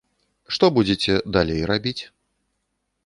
Што будзеце далей рабіць?